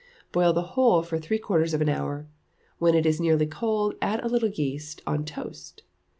Boil the whole for three quarters of an hour. When it is nearly cold, add a little yeast on toast.